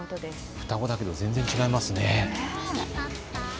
双子だけど全然違いますね。